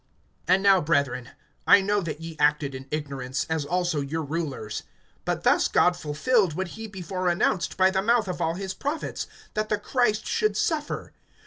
(17)And now, brethren, I know that ye acted in ignorance, as also your rulers. (18)But thus God fulfilled what he before announced by the mouth of all his prophets, that the Christ should suffer.